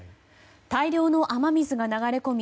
大量の雨水が流れ込み